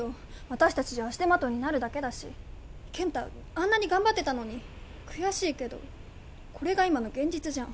私達じゃ足手まといになるだけだし健太あんなに頑張ってたのに悔しいけどこれが今の現実じゃん